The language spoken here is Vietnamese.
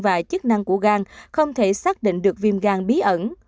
và chức năng của gan không thể xác định được viêm gan bí ẩn